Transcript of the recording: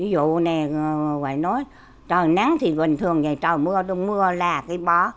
ví dụ này ngoài nói trời nắng thì bình thường ngày trời mưa mưa là cái bó